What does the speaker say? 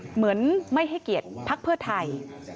เหมือนไม่ให้เกียรติภาคเบื้อไทย